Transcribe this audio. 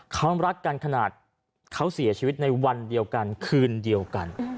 เขารักกันขนาดเขาเสียชีวิตในวันเดียวกันคืนเดียวกัน